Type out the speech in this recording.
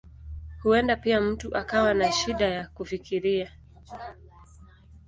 Huenda pia mtu akawa na shida za kufikiria.